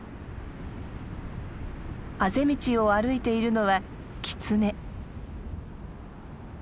あぜ道を歩いているのはキツネ。